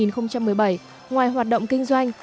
năm hai nghìn một mươi bảy ngoài hoạt động kinh doanh